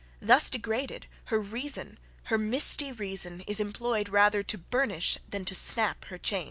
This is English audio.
Thus degraded, her reason, her misty reason! is employed rather to burnish than to snap her chains.